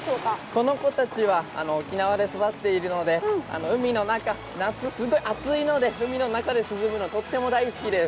この子たちは沖縄で育っているので夏、すごい暑いので海の中で遊ぶのはとっても大好きです。